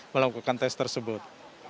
melakukan test tersebut